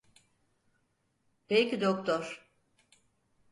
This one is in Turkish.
Peki doktor.